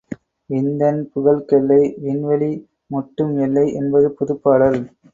விந்தன் புகழ்க்கெல்லை விண்வெளி முட்டும் எல்லை! என்பது புதுப்பாடல்!